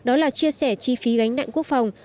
đó là chia sẻ chi phí gánh nặng quốc phòng